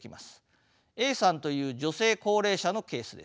Ａさんという女性高齢者のケースです。